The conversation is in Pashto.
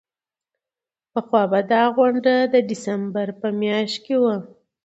پخوا به دا غونډه د ډسمبر په میاشت کې وه.